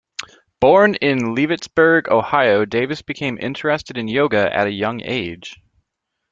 Born in Leavittsburg, Ohio, Davis became interested in yoga at a young age.